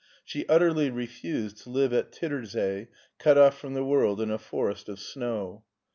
She utterly re fused to live at Tittersee, cut off from the world in a forest of snow.